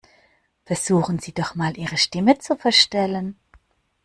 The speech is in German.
Versuchen Sie doch mal, Ihre Stimme zu verstellen.